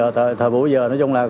thời bữa giờ nói chung là